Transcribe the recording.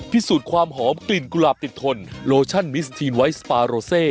พิสูจน์ความหอมกลิ่นกุหลาบติดทนโลชั่นมิสทีนไวท์สปาโรเซ